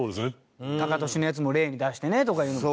タカトシのやつも例に出してねとかいうのも。